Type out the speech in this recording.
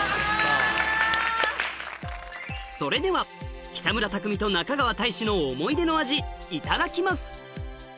それでは北村匠海と中川大志の思い出の味いただきます